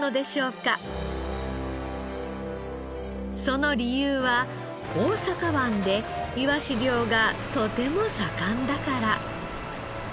その理由は大阪湾でいわし漁がとても盛んだから。